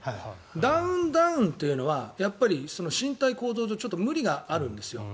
ダウン、ダウンというのはやっぱり身体構造上無理があるんですよ。